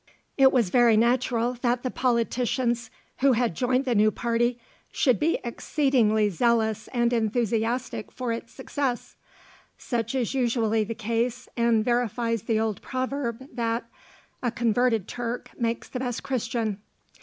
It was very natural that the politicians who had joined the new party should be exceedingly zealous and enthusiastic for its success. Such is usually the case, and verifies the old proverb, that "A converted Turk makes the best Christian."